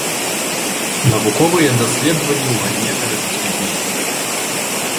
Навуковыя даследаванні ў галіне тэарэтычнай фізікі.